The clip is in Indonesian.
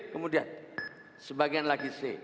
kemudian sebagian lagi c